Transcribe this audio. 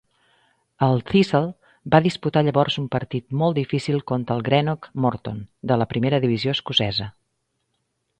El Thistle va disputar llavors un partit molt difícil contra el Greenock Morton de la primera divisió escocesa.